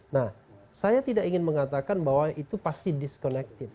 nah saya tidak ingin mengatakan bahwa itu pasti discollected